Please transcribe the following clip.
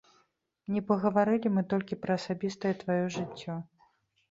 Не пагаварылі мы толькі пра асабістае тваё жыццё.